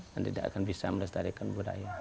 dan tidak akan bisa melestarikan budaya